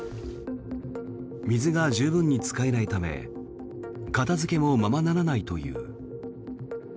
水が十分に使えないため片付けもままならないという。